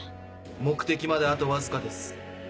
目的まであとわずかです。